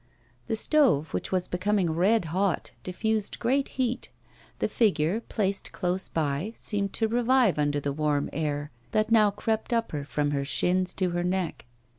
The stove, which was becoming red hot, diffused great heat. The figure, placed close by, seemed to revive under the warm air that now crept up her from her shins to her neck.